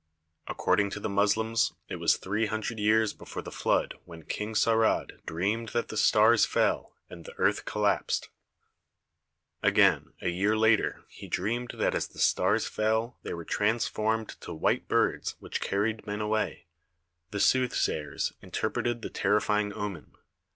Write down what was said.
According to the Moslems it was three hundred years before the flood when King Saurad dreamed THE PYRAMID OF KHUFU 31 that the stars fell and the earth collapsed. Again a year later he dreamed that as the stars fell they were transformed to white birds which carried men away. The soothsayers interpreted the ter rifying omen.